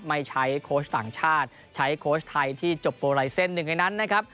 ไม่ใช้โค้ชต่างชาติใช้โค้ชไทยที่จบโปรไลเซ็นต์หนึ่งในนั้นนะครับ